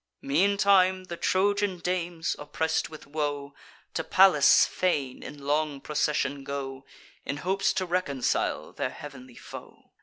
Meantime the Trojan dames, oppress'd with woe, To Pallas' fane in long procession go, In hopes to reconcile their heav'nly foe.